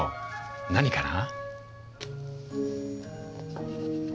何かな？